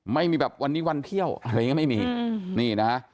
ไม่มีแบบวันนี้วันเที่ยวอะไรอย่างนี้ไม่มีนี่นะฮะ